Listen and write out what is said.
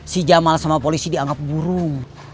si jamal sama polisi dianggap burung